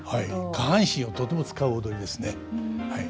下半身をとても使う踊りですねはい。